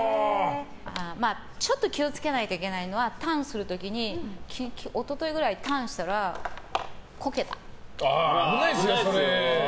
ちょっと気を付けないといけないのはターンする時に一昨日くらいターンしたら危ないですね、それ。